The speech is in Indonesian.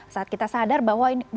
saat kita sadar bahwa